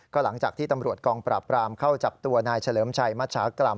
หลังจากที่ตำรวจกองปราบรามเข้าจับตัวนายเฉลิมชัยมัชชากรรม